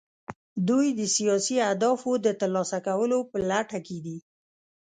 دوی د سیاسي اهدافو د ترلاسه کولو په لټه کې دي